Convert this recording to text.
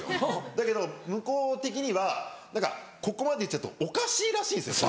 だけど向こう的には何かここまで行っちゃうとおかしいらしいんですよ